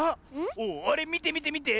おおあれみてみてみて。